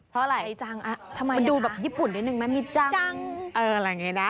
เพราะอะไรมันดูแบบญี่ปุ่นนิดนึงไหมมีจังอะไรอย่างนี้นะ